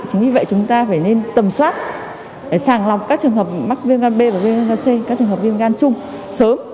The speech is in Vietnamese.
chính vì vậy chúng ta phải nên tầm soát sàng lọc các trường hợp viêm gan b và viêm gan c các trường hợp viêm gan trung sớm